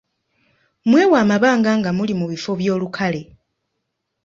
Mwewe amabanga nga muli mu bifo by'olukale.